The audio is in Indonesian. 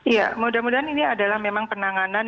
ya mudah mudahan ini adalah memang penanganan